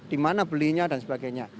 di mana belinya dan sebagainya